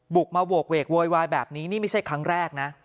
มาโหกเวกโวยวายแบบนี้นี่ไม่ใช่ครั้งแรกนะ